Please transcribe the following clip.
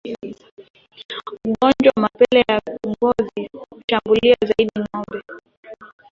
Ugonjwa wa mapele ya ngozi hushambulia zaidi ngombe